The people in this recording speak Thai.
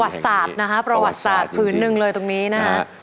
ประวัติศาสตร์นะครับประวัติศาสตร์พื้นหนึ่งเลยตรงนี้นะครับ